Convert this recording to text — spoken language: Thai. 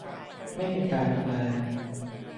ไม่เป็นการเป็นงาน